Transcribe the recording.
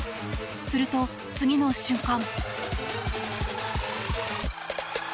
すると、次の瞬間。